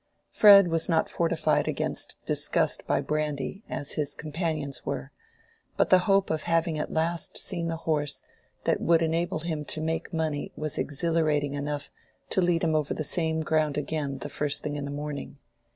Fred was not fortified against disgust by brandy, as his companions were, but the hope of having at last seen the horse that would enable him to make money was exhilarating enough to lead him over the same ground again the first thing in the morning.